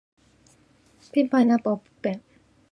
ペンパイナッポーアッポーペン